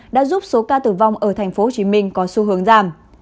đã giúp số ca tử vong ở tp hcm có xu hướng giảm